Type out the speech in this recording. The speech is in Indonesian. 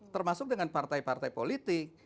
termasuk dengan partai partai politik